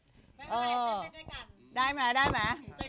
ไม่เป็นไรเต้นด้วยกัน